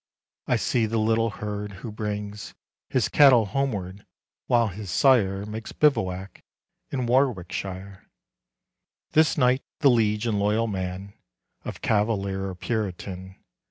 I see the little herd who brings His cattle homeward, while his sire Makes bivouac in Warwickshire This night, the liege and loyal man Of Cavalier or Puritan.